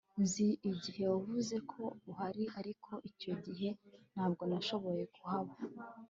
nzi igihe wavuze ko uhari, ariko icyo gihe ntabwo nashoboye kuhaba